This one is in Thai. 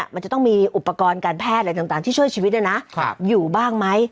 มันจะต้องมีอุปกรณ์การแพทย์อะไรต่างที่ช่วยชีวิตอยู่บ้างไหม